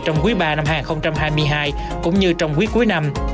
trong quý ba năm hai nghìn hai mươi hai cũng như trong quý cuối năm